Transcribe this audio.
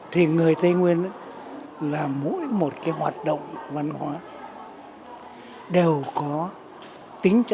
thì người tây nguyên là mỗi một hoạt động văn hóa đều có tính chất hội